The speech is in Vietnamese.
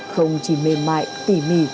không chỉ mềm mại tỉ mỉ